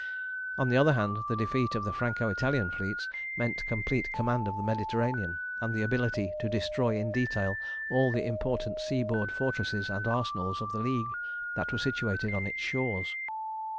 On the other hand, the defeat of the Franco Italian fleets meant complete command of the Mediterranean, and the ability to destroy in detail all the important sea board fortresses and arsenals of the League that were situated on its shores.